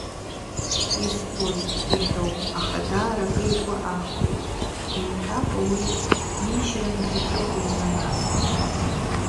Избоит, иҳәом, аха даара акы игәы ахәуеит, имҳәакәа уи нижьрангьы дыҟоума нас!